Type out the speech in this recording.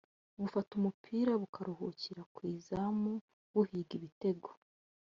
bufata umupira bukaruhukira ku izamu buhiga ibitego